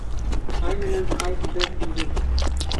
Ай менән ай бер түгел.